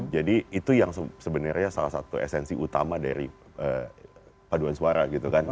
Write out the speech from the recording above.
jadi itu yang sebenarnya salah satu esensi utama dari paduan suara gitu kan